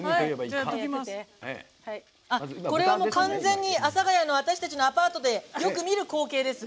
これは完全に阿佐ヶ谷の私たちのアパートでよく見る光景です。